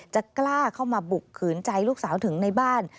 จะกล้าเข้ามาบุกขืนใจลูกสาวถึงในบ้าน